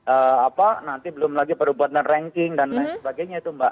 ee apa nanti belum lagi baru buat ngeranking dan lain sebagainya itu mbak